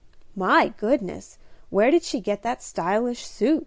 "My goodness, where did she get that stylish suit?"